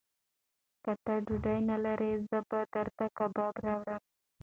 که ته ډوډۍ نه لرې، زه به درته کباب راوړم.